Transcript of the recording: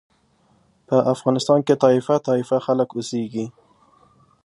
په افغانستان کې طایفه طایفه خلک اوسېږي.